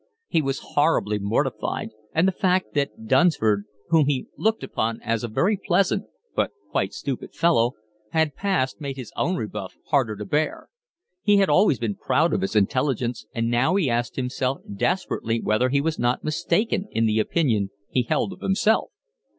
He was horribly mortified; and the fact that Dunsford, whom he looked upon as a very pleasant but quite stupid fellow, had passed made his own rebuff harder to bear. He had always been proud of his intelligence, and now he asked himself desperately whether he was not mistaken in the opinion he held of himself.